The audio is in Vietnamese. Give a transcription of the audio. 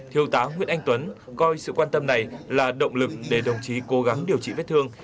thiếu tá nguyễn anh tuấn coi sự quan tâm này là động lực để đồng chí cố gắng điều trị vết thương